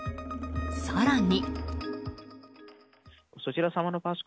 更に。